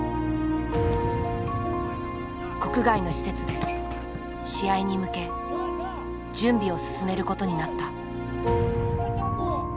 国外の施設で試合に向け準備を進めることになった。